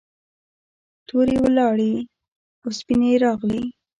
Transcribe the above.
تورې یې ولاړې او سپینې یې راغلې.